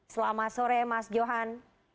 selamat sore mas johan